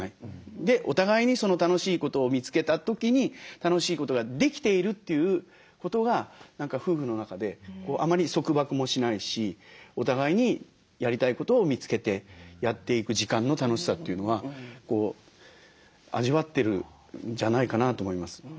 でお互いに楽しいことを見つけた時に楽しいことができているということが夫婦の中であまり束縛もしないしお互いにやりたいことを見つけてやっていく時間の楽しさというのは味わってるんじゃないかなと思います。